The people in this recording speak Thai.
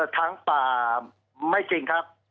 ช้างป่าไม่จริงครับ